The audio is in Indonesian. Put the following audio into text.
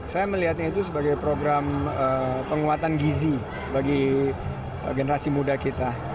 saya melihatnya itu sebagai program penguatan gizi bagi generasi muda kita